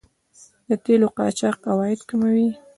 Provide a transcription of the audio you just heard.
د تیلو قاچاق عواید کموي.